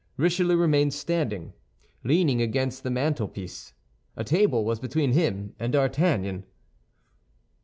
Richelieu remained standing, leaning against the mantelpiece; a table was between him and D'Artagnan.